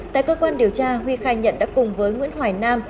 tại cơ quan điều tra huy khai nhận đã cùng với nguyễn hoài nam